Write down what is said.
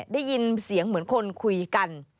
ได้ยินเสียงเหมือนคนคุยกัน